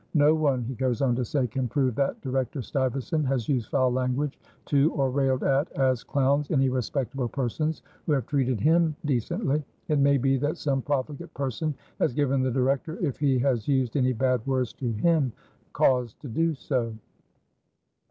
"No one," he goes on to say, "can prove that Director Stuyvesant has used foul language to or railed at as clowns any respectable persons who have treated him decently. It may be that some profligate person has given the Director, if he has used any bad words to him, cause to do so."